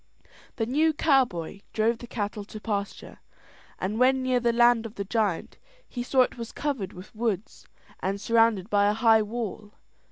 The new cowboy drove the cattle to pasture, and when near the land of the giant, he saw it was covered with woods and surrounded by a high wall.